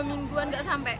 mingguan gak sampai